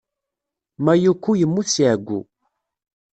Mayuko yemmut si ɛeggu.